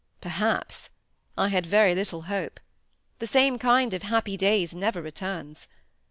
Perhaps! I had very little hope. The same kind of happy days never returns.